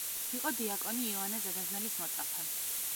იყო დიაკონი, იოანე ზედაზნელის მოწაფე.